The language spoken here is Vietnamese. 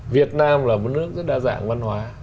việt nam là một nước rất đa dạng văn hóa